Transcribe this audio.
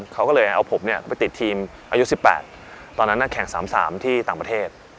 เขาก็เลยเอาผมเนี่ยไปติดทีมอายุ๑๘ตอนนั้นแข่ง๓๓ที่ต่างประเทศ